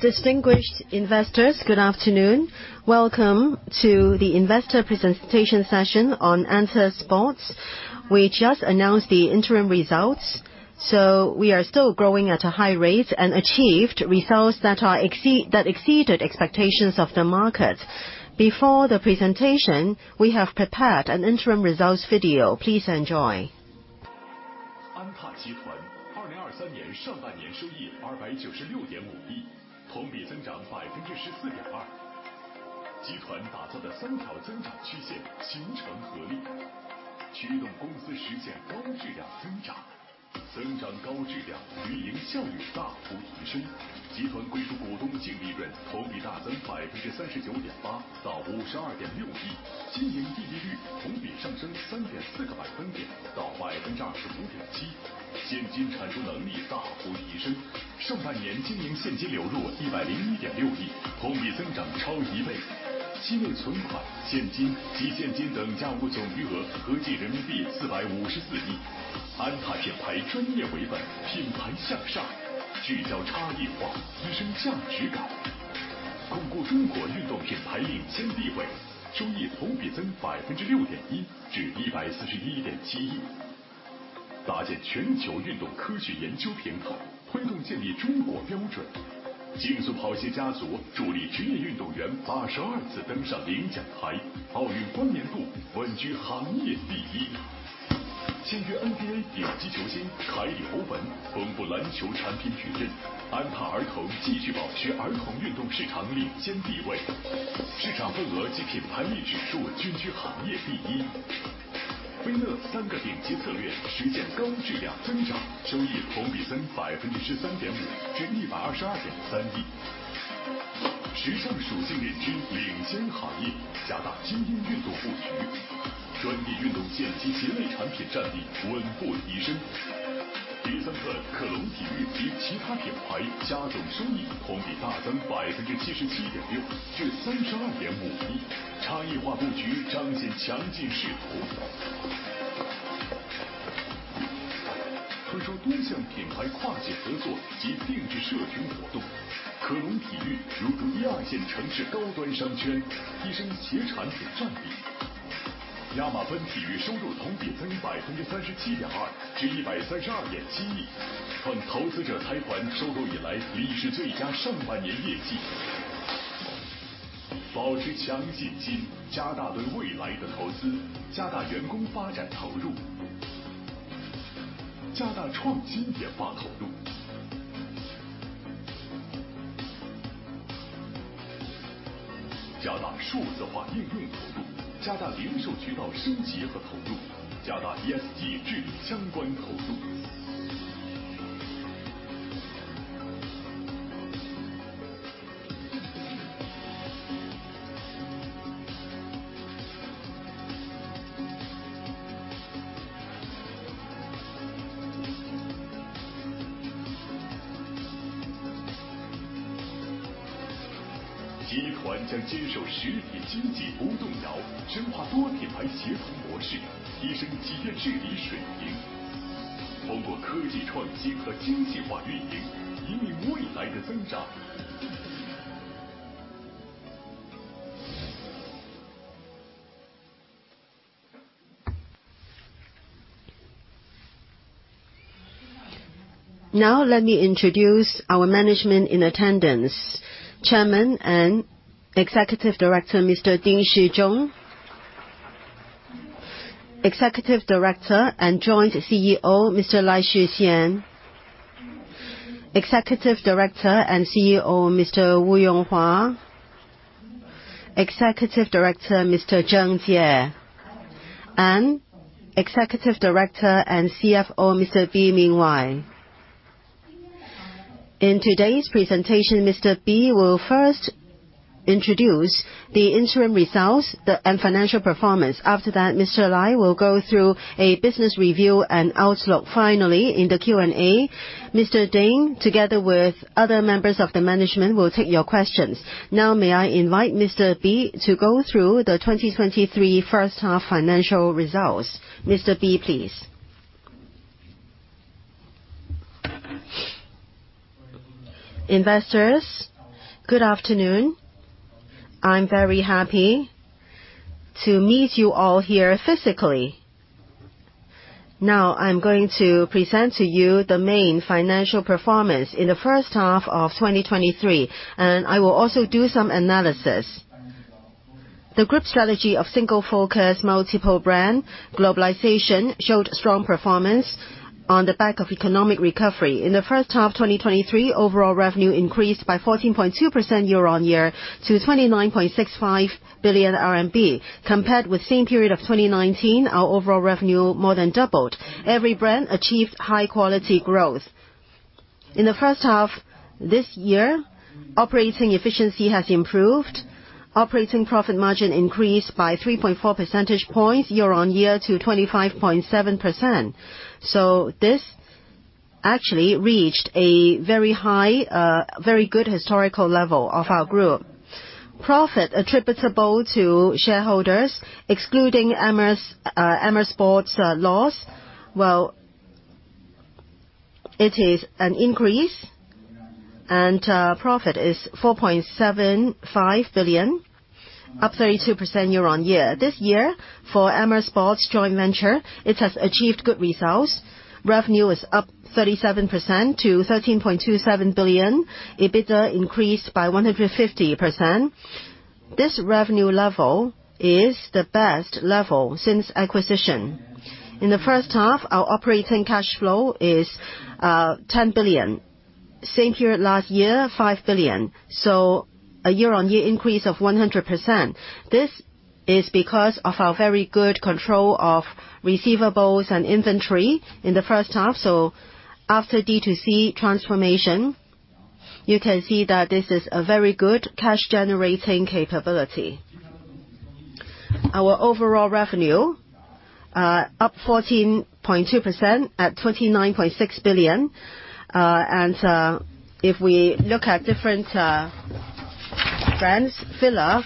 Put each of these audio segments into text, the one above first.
Distinguished investors, good afternoon. Welcome to the investor presentation session on ANTA Sports. We just announced the interim results, so we are still growing at a high rate and achieved results that exceeded expectations of the market. Before the presentation, we have prepared an interim results video. Please enjoy. Let me introduce our management in attendance. Chairman and Executive Director, Mr. Ding Shizhong; Executive Director and Co-Chief Executive Officer, Mr. Lai Shixian; Executive Director and CEO, Mr. Wu Yonghua; Executive Director, Mr. Zheng Jie; and Executive Director and CFO, Mr. Bi Mingwei. In today's presentation, Mr. Bi will first introduce the interim results and financial performance. After that, Mr. Lai will go through a business review and outlook. Finally, in the Q&A, Mr. Ding, together with other members of the management, will take your questions. May I invite Mr. Bi to go through the 2023 first half financial results. Mr. Bi, please. Investors, good afternoon. I'm very happy to meet you all here physically. I'm going to present to you the main financial performance in the first half of 2023, and I will also do some analysis. The group strategy of Single-Focus, Multi-Brand, and Globalization showed strong performance on the back of economic recovery. In the first half of 2023, overall revenue increased by 14.2% year-on-year to 29.65 billion RMB. Compared with same period of 2019, our overall revenue more than doubled. Every brand achieved high-quality growth. In the first half this year, operating efficiency has improved. Operating profit margin increased by 3.4 percentage points year-on-year to 25.7%. This actually reached a very high, very good historical level of our group.... profit attributable to shareholders, excluding Amer Sports loss, well, it is an increase. Profit is 4.75 billion, up 32% year-on-year. This year, for Amer Sports joint venture, it has achieved good results. Revenue is up 37% to 13.27 billion. EBITDA increased by 150%. This revenue level is the best level since acquisition. In the first half, our operating cash flow is 10 billion. Same period last year, 5 billion, a year-on-year increase of 100%. This is because of our very good control of receivables and inventory in the first half. After D2C transformation, you can see that this is a very good cash-generating capability. Our overall revenue, up 14.2% at 29.6 billion. If we look at different brands, FILA,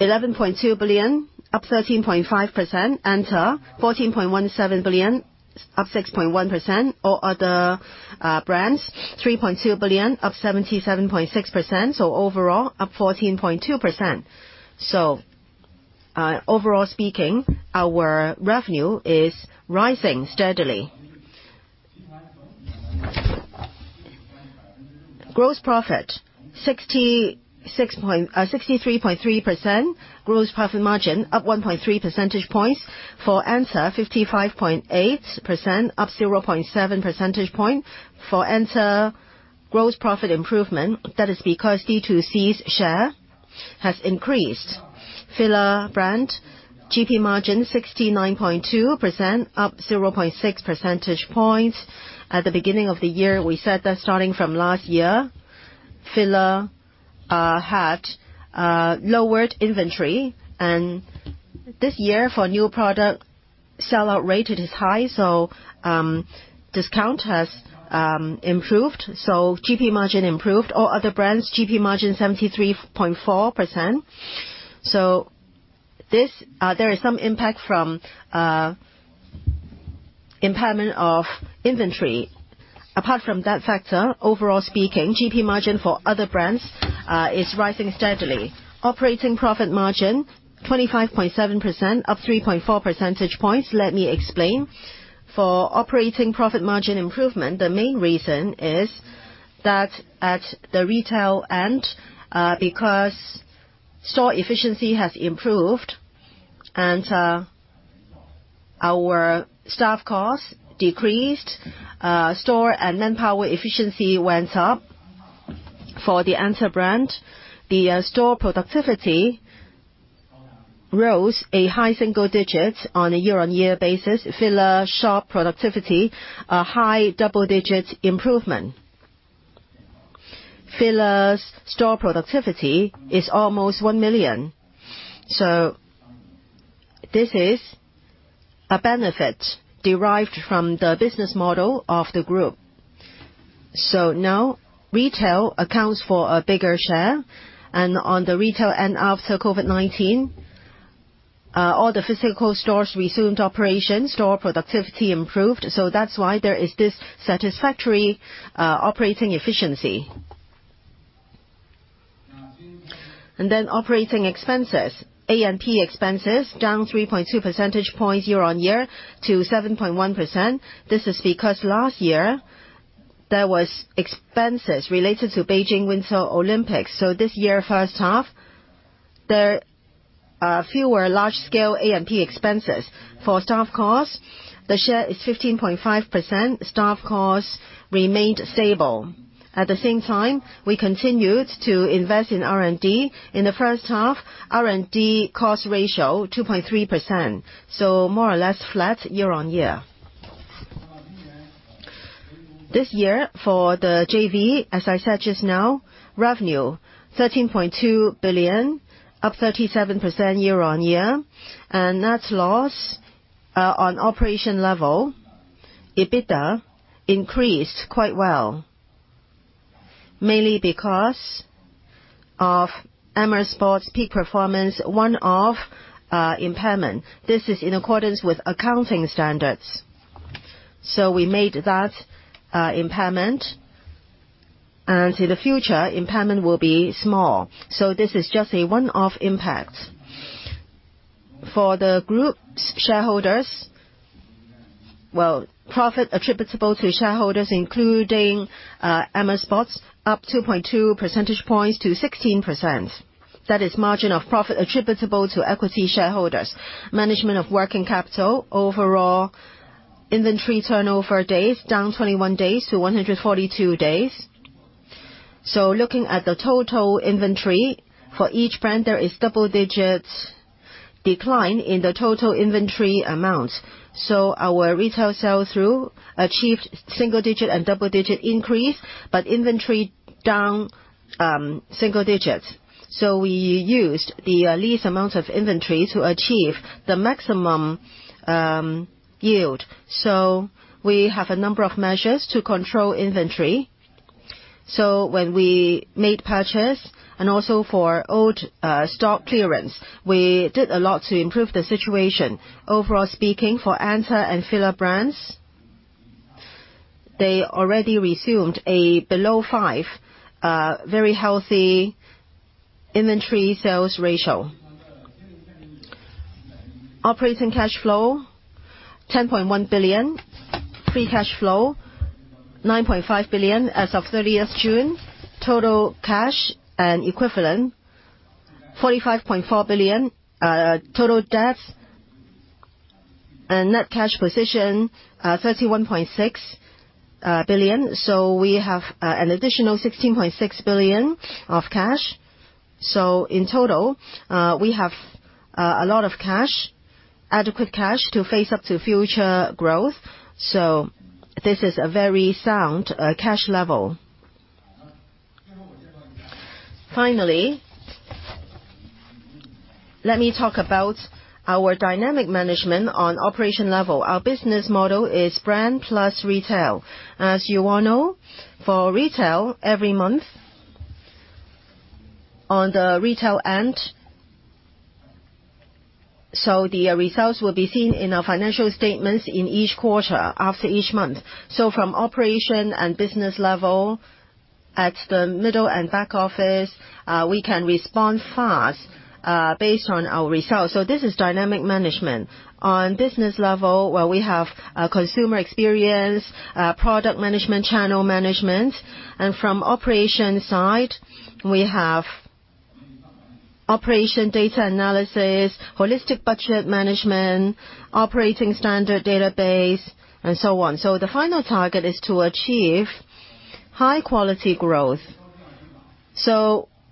11.2 billion, up 13.5%, ANTA, 14.17 billion, up 6.1%. All other brands, 3.2 billion, up 77.6%, so overall, up 14.2%. Overall speaking, our revenue is rising steadily. Gross profit, 63.3%. Gross profit margin, up 1.3 percentage points. For ANTA, 55.8%, up 0.7 percentage point. For ANTA, gross profit improvement, that is because D2C's share has increased. FILA brand GP margin 69.2%, up 0.6 percentage points. At the beginning of the year, we said that starting from last year, FILA had lowered inventory, this year, for new product, sell-out rate, it is high, discount has improved, GP margin improved. All other brands, GP margin 73.4%. This, there is some impact from impairment of inventory. Apart from that factor, overall speaking, GP margin for other brands is rising steadily. Operating profit margin, 25.7%, up 3.4 percentage points. Let me explain. For operating profit margin improvement, the main reason is that at the retail end, because store efficiency has improved, our staff costs decreased, store and manpower efficiency went up. For the ANTA brand, the store productivity rose a high single digits on a year-on-year basis. FILA shop productivity, a high double-digit improvement. FILA's store productivity is almost 1 million. This is a benefit derived from the business model of the group. Now, retail accounts for a bigger share, and on the retail end, after COVID-19, all the physical stores resumed operation, store productivity improved. That's why there is this satisfactory operating efficiency. Then operating expenses. A&P expenses down 3.2 percentage points year-on-year to 7.1%. This is because last year, there was expenses related to Beijing Winter Olympics, this year, first half, there are fewer large-scale A&P expenses. For staff costs, the share is 15.5%. Staff costs remained stable. At the same time, we continued to invest in R&D. In the first half, R&D cost ratio, 2.3%, more or less flat year-on-year. This year, for the JV, as I said just now, revenue 13.2 billion, up 37% year-on-year, and net loss on operation level, EBITDA increased quite well, mainly because of Amer Sports' Peak Performance, one-off impairment. This is in accordance with accounting standards. We made that impairment, and in the future, impairment will be small. This is just a one-off impact. For the group's shareholders, well, profit attributable to shareholders, including Amer Sports, up 2.2 percentage points to 16%. That is margin of profit attributable to equity shareholders. Management of working capital, overall inventory turnover days, down 21 days to 142 days. Looking at the total inventory, for each brand, there is double digits decline in the total inventory amount. Our retail sell-through achieved single digit and double-digit increase, but inventory down, single digits. We used the least amount of inventory to achieve the maximum yield. We have a number of measures to control inventory. When we made purchase and also for old stock clearance, we did a lot to improve the situation. Overall speaking, for ANTA and FILA brands, they already resumed a below five very healthy inventory sales ratio. Operating cash flow, 10.1 billion. Free cash flow, 9.5 billion as of 30th June. Total cash and equivalent, 45.4 billion. Total debt and net cash position, 31.6 billion. We have an additional 16.6 billion of cash. In total, we have a lot of cash, adequate cash to face up to future growth, this is a very sound cash level. Finally, let me talk about our dynamic management on operation level. Our business model is brand plus retail. As you all know, for retail, every month, on the retail end, the results will be seen in our financial statements in each quarter after each month. From operation and business level, at the middle and back office, we can respond fast, based on our results. This is dynamic management. On business level, where we have consumer experience, product management, channel management, and from operation side, we have operation data analysis, holistic budget management, operating standard database, and so on. The final target is to achieve high-quality growth.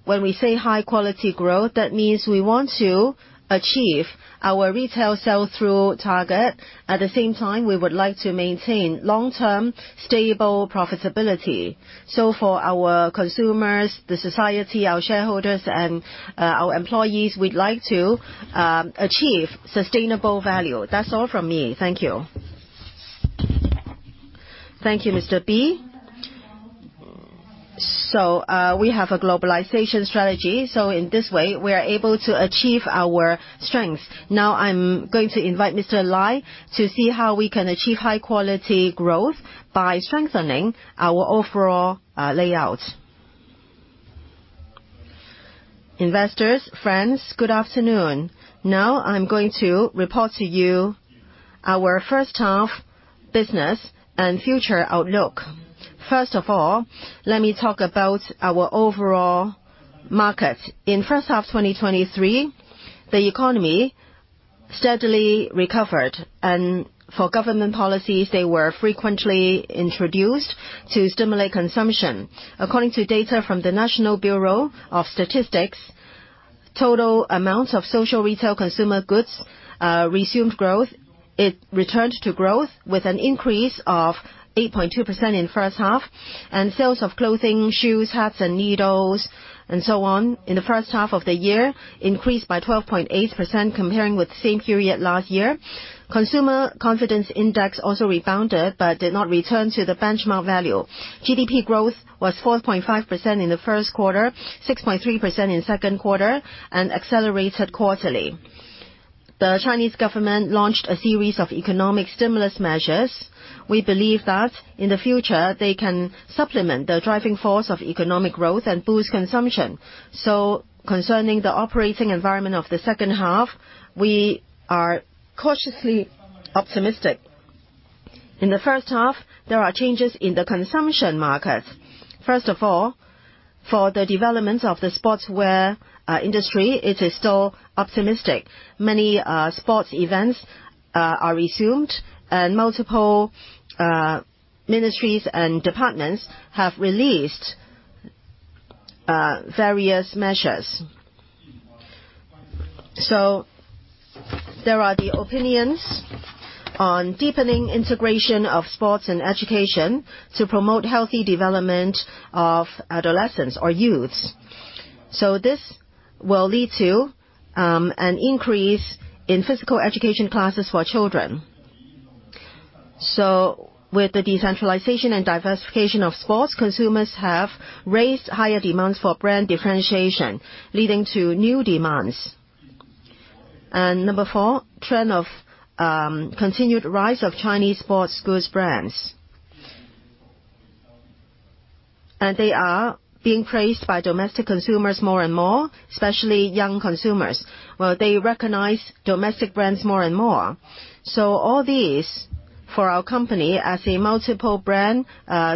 When we say high-quality growth, that means we want to achieve our retail sell-through target. At the same time, we would like to maintain long-term, stable profitability. For our consumers, the society, our shareholders, and our employees, we'd like to achieve sustainable value. That's all from me. Thank you. Thank you, Mr. Bi. We have a globalization strategy, so in this way, we are able to achieve our strength. Now, I'm going to invite Mr. Lai to see how we can achieve high-quality growth by strengthening our overall layout. Investors, friends, good afternoon. Now, I'm going to report to you our first half business and future outlook. First of all, let me talk about our overall market. In first half of 2023, the economy steadily recovered, and for government policies, they were frequently introduced to stimulate consumption. According to data from the National Bureau of Statistics, total amount of social retail consumer goods resumed growth. It returned to growth with an increase of 8.2% in first half, and sales of clothing, shoes, hats and needles and so on, in the first half of the year, increased by 12.8% comparing with the same period last year. Consumer confidence index also rebounded, but did not return to the benchmark value. GDP growth was 4.5% in the first quarter, 6.3% in second quarter, and accelerated quarterly. The Chinese government launched a series of economic stimulus measures. We believe that in the future, they can supplement the driving force of economic growth and boost consumption. Concerning the operating environment of the second half, we are cautiously optimistic. In the first half, there are changes in the consumption market. First of all, for the development of the sportswear industry, it is still optimistic. Many sports events are resumed, multiple ministries and departments have released various measures. There are the Opinions on Deepening the Integration of Sports and Education to Promote Healthy Development of adolescents or youths, this will lead to an increase in physical education classes for children. With the decentralization and diversification of sports, consumers have raised higher demands for brand differentiation, leading to new demands. Number four, trend of continued rise of Chinese sports goods brands. They are being praised by domestic consumers more and more, especially young consumers, where they recognize domestic brands more and more. All these, for our company, as a multi-brand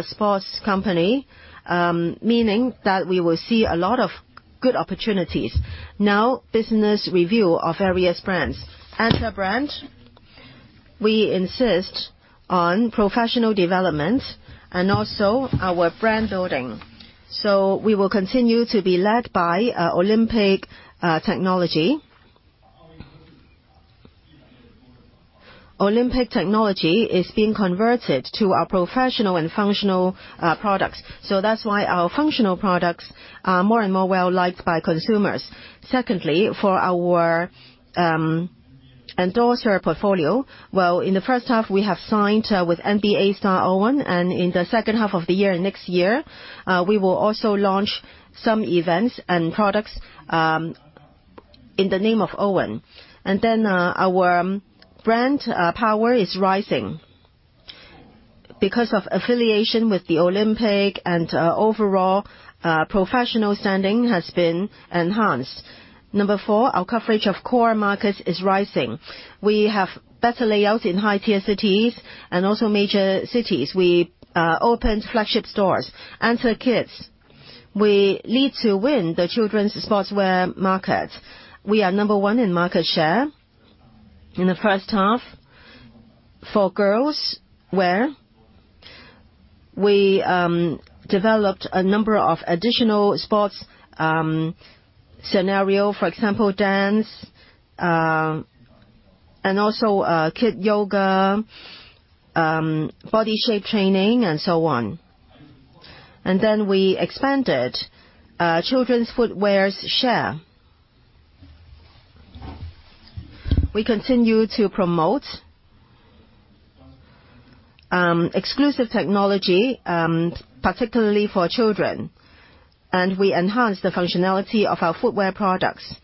sports company, meaning that we will see a lot of good opportunities. Now, business review of various brands. ANTA brand, we insist on professional development and also our brand building, so we will continue to be led by Olympic technology. Olympic technology is being converted to our professional and functional products, so that's why our functional products are more and more well-liked by consumers. Secondly, for our endorser portfolio. Well, in the first half, we have signed with NBA star Owen, and in the second half of the year, next year, we will also launch some events and products in the name of Owen. Our brand power is rising. Because of affiliation with the Olympic and overall professional standing has been enhanced. Number 4, our coverage of core markets is rising. We have better layout in high-tier cities and also major cities. We opened flagship stores. ANTA Kids, we lead to win the children's sportswear market. We are number 1 in market share. In the first half, for girls wear, we developed a number of additional sports scenario, for example, dance, and also kid yoga, body shape training, and so on. We expanded children's footwear's share. We continue to promote exclusive technology, particularly for children, and we enhanced the functionality of our footwear products.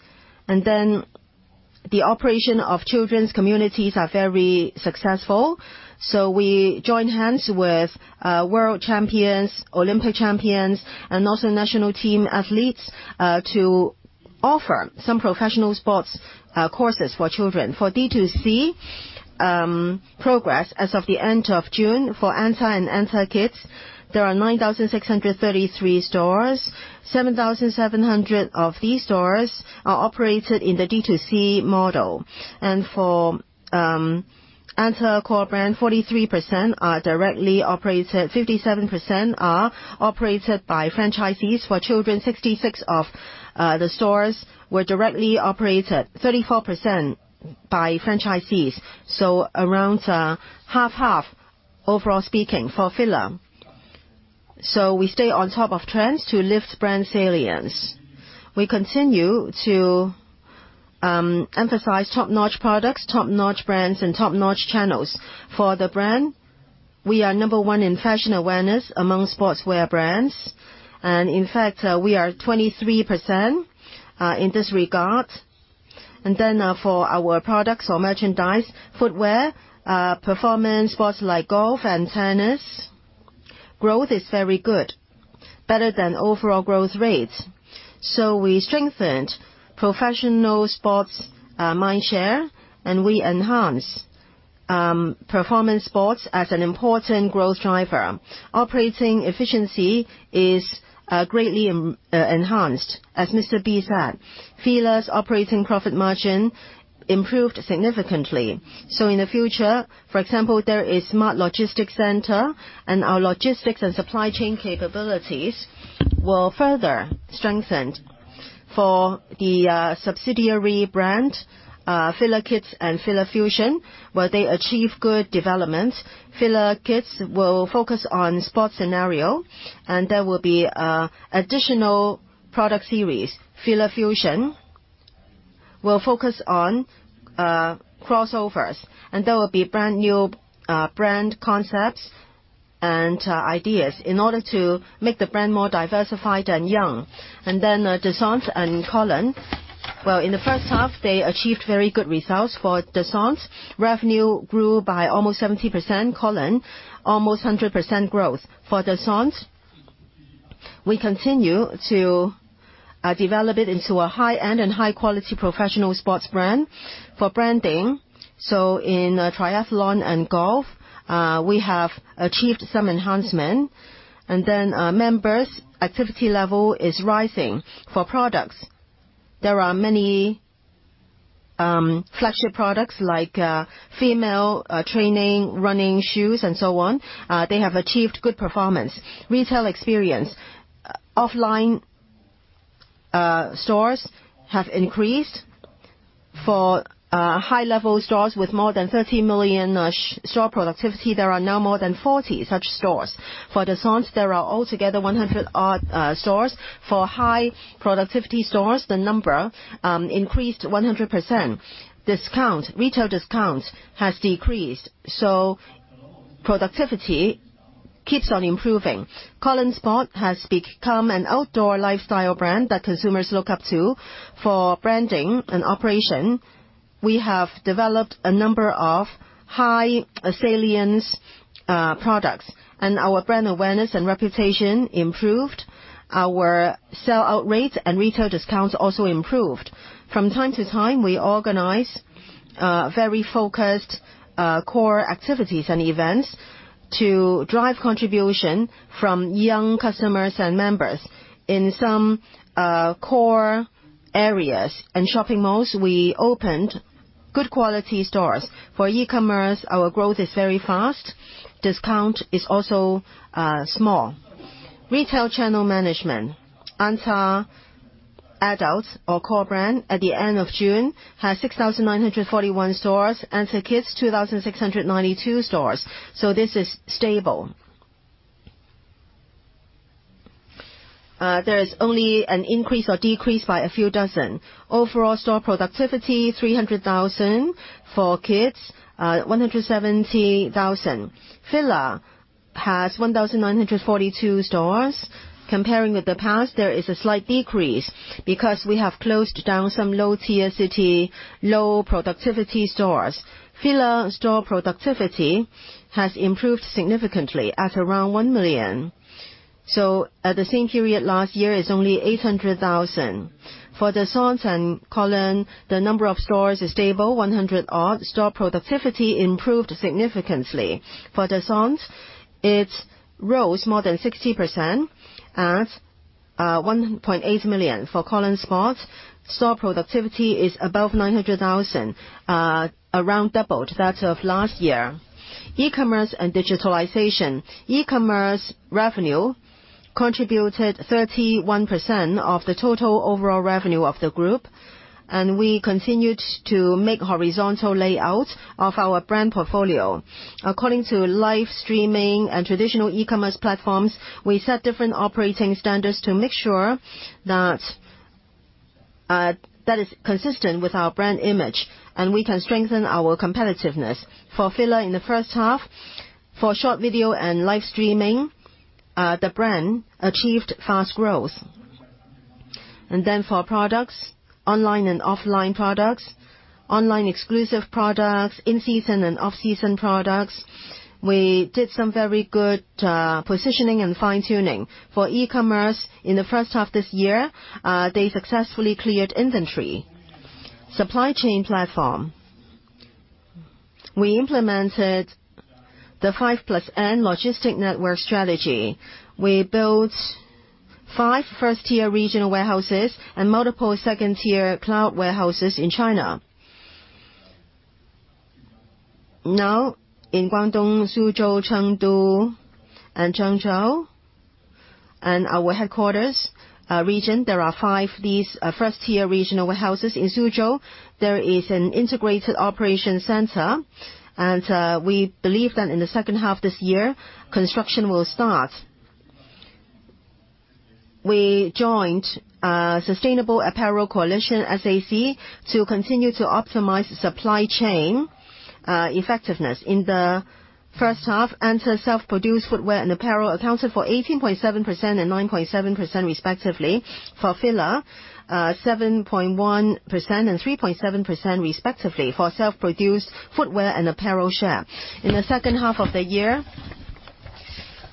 The operation of children's communities are very successful, so we joined hands with world champions, Olympic champions, and also national team athletes to offer some professional sports courses for children. For D2C progress, as of the end of June, for ANTA and ANTA Kids, there are 9,633 stores. 7,700 of these stores are operated in the D2C model. For ANTA core brand, 43% are directly operated, 57% are operated by franchisees. For children, 66 of the stores were directly operated, 34% by franchisees, so around 50/50, overall speaking, for FILA. We stay on top of trends to lift brand salience. We continue to emphasize top-notch products, top-notch brands, and top-notch channels. For the brand, we are number one in fashion awareness among sportswear brands, and in fact, we are 23% in this regard. For our products or merchandise, footwear, performance sports like golf and tennis, growth is very good, better than overall growth rates. We strengthened professional sports mindshare, and we enhanced performance sports as an important growth driver. Operating efficiency is greatly enhanced, as Mr. Bi said. FILA's operating profit margin improved significantly. In the future, for example, there is smart logistics center, and our logistics and supply chain capabilities will further strengthen. For the subsidiary brand, FILA Kids and FILA Fusion, where they achieve good development. FILA Kids will focus on sports scenario, and there will be additional product series. FILA Fusion will focus on crossovers, and there will be brand new brand concepts and ideas in order to make the brand more diversified and young. DESCENTE and KOLON SPORT. Well, in the first half, they achieved very good results. For DESCENTE, revenue grew by almost 70%. KOLON SPORT, almost 100% growth. For DESCENTE, we continue to develop it into a high-end and high-quality professional sports brand. For branding, in triathlon and golf, we have achieved some enhancement, and then, members' activity level is rising. For products, there are many flagship products, like female training, running shoes, and so on. They have achieved good performance. Retail experience. Offline, stores have increased. For high-level stores with more than 30 million store productivity, there are now more than 40 such stores. For DESCENTE, there are altogether 100 odd stores. For high-productivity stores, the number increased 100%. Discount, retail discount has decreased, productivity keeps on improving. KOLON SPORT has become an outdoor lifestyle brand that consumers look up to. For branding and operation, we have developed a number of high salience products. Our brand awareness and reputation improved. Our sell-out rates and retail discounts also improved. From time to time, we organize very focused core activities and events to drive contribution from young customers and members. In some core areas and shopping malls, we opened good quality stores. For e-commerce, our growth is very fast. Discount is also small. Retail channel management. ANTA Adult or core brand, at the end of June, has 6,941 stores. ANTA Kids, 2,692 stores. This is stable. There is only an increase or decrease by a few dozen. Overall store productivity, 300,000. For kids, 170,000. FILA has 1,942 stores. Comparing with the past, there is a slight decrease because we have closed down some low-tier city, low-productivity stores. FILA store productivity has improved significantly at around 1 million. At the same period last year, it's only 800,000. For DESCENTE and KOLON, the number of stores is stable, 100 odd. Store productivity improved significantly. For DESCENTE, it rose more than 60% at 1.8 million. For KOLON SPORT's, store productivity is above 900,000, around double to that of last year. E-commerce and digitalization. E-commerce revenue contributed 31% of the total overall revenue of the group. We continued to make horizontal layout of our brand portfolio. According to live streaming and traditional e-commerce platforms, we set different operating standards to make sure that that is consistent with our brand image, and we can strengthen our competitiveness. For FILA in the first half, for short video and live streaming, the brand achieved fast growth. For products, online and offline products, online exclusive products, in-season and off-season products, we did some very good positioning and fine-tuning. For e-commerce in the first half this year, they successfully cleared inventory. Supply chain platform. We implemented the 5+N logistic network strategy. We built five first-tier regional warehouses and multiple second-tier cloud warehouses in China. Now, in Guangdong, Suzhou, Chengdu, and Zhengzhou, and our headquarters region, there are five these first-tier regional warehouses. In Suzhou, there is an integrated operation center, and we believe that in the second half this year, construction will start. We joined a Sustainable Apparel Coalition, SAC, to continue to optimize supply chain effectiveness. In the first half, ANTA self-produced footwear and apparel accounted for 18.7% and 9.7%, respectively. For FILA, 7.1% and 3.7%, respectively, for self-produced footwear and apparel share. In the second half of the year,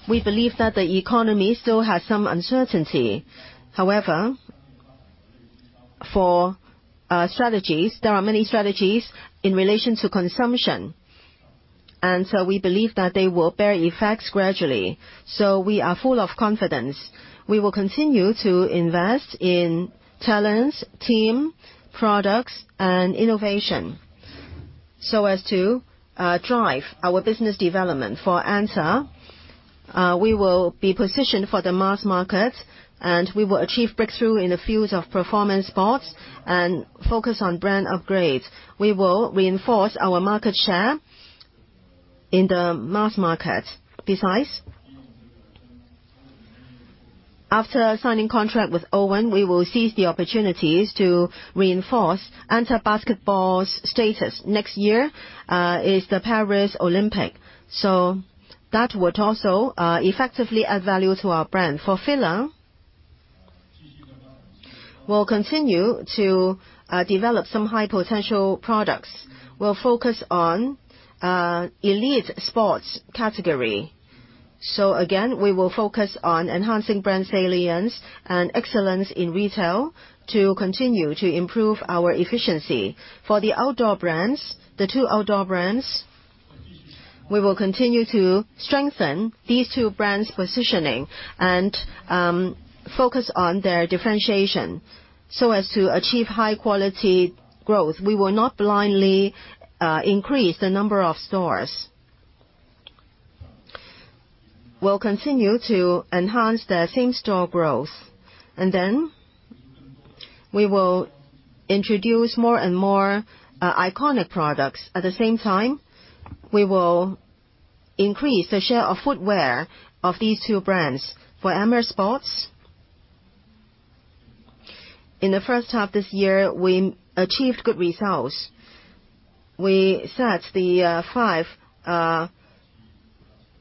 we believe that the economy still has some uncertainty. However, for strategies, there are many strategies in relation to consumption, and we believe that they will bear effects gradually. We are full of confidence. We will continue to invest in talents, team, products, and innovation so as to drive our business development. For ANTA, we will be positioned for the mass market, and we will achieve breakthrough in the fields of performance, sports, and focus on brand upgrades. We will reinforce our market share in the mass market. Besides, after signing contract with Kyrie lrving, we will seize the opportunities to reinforce ANTA Basketball's status. Next year, is the Paris Olympics. That would also effectively add value to our brand. For FILA, we'll continue to develop some high-potential products. We'll focus on elite sports category. Again, we will focus on enhancing brand salience and excellence in retail to continue to improve our efficiency. For the outdoor brands, the two outdoor brands, we will continue to strengthen these two brands' positioning and focus on their differentiation so as to achieve high-quality growth. We will not blindly increase the number of stores. We'll continue to enhance their same-store growth, and then we will introduce more and more iconic products. At the same time, we will increase the share of footwear of these two brands. For Amer Sports, in the first half this year, we achieved good results. We set the 5,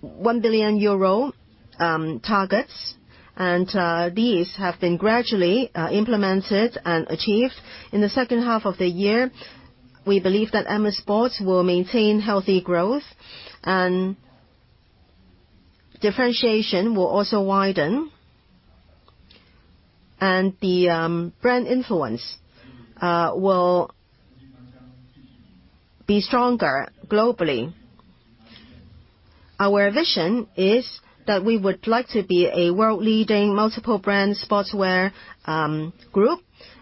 1 billion euro targets, and these have been gradually implemented and achieved. In the second half of the year, we believe that Amer Sports will maintain healthy growth, and differentiation will also widen, and the brand influence will be stronger globally. Our vision is that we would like to be a world-leading, multiple-brand sportswear group,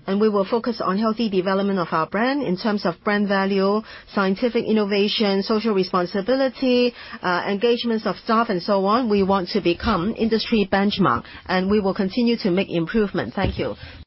and we will focus on healthy development of our brand in terms of brand value, scientific innovation, social responsibility, engagements of staff, and so on. We want to become industry benchmark, and we will continue to make improvements. Thank you.